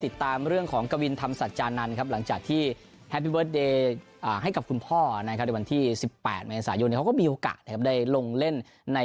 ติดตามเรื่องของกวินธรรมสัจจานันครับหลังจากที่แฮปปี้เบิร์ตเดย์ให้กับคุณพ่อนะครับในวันที่๑๘เมษายนเขาก็มีโอกาสนะครับได้ลงเล่นใน